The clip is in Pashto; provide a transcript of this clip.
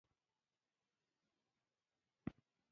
د سټیونز او د هغه د ملګرو شخصي جېب ته تلل.